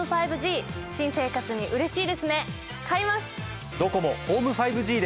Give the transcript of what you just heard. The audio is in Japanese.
新生活にうれしいですね買います！